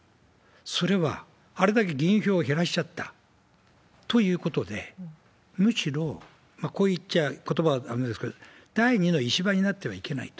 それはあれだけ議員票を減らしちゃったということで、むしろ、こういっちゃことばはあれですけど、第２の石破になってはいけないと。